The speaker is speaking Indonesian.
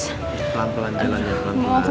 pelan pelan jangan jauh